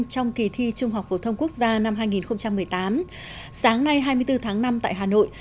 trong kỳ thi trung học phổ thông quốc gia năm hai nghìn một mươi tám sáng nay hai mươi bốn tháng năm tại hà nội